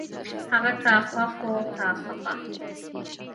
هغه که خوښ و که خپه